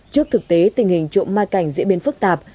trước thực tế tình hình trộm ma cảnh diễn biến phức tạp